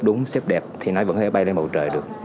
đúng xếp đẹp thì nó vẫn có thể bay lên bầu trời được